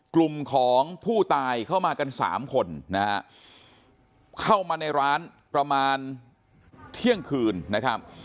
กลุ่มของผู้ตายเข้ามากันสามคนนะฮะเข้ามาในร้านประมาณเที่ยงคืนนะครับ